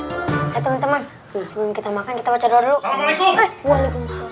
sebelum kita makan kita baca doa dulu